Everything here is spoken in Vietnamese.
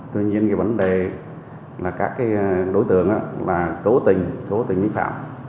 tuy nhiên cái vấn đề là các đối tượng là tố tình tố tình vi phạm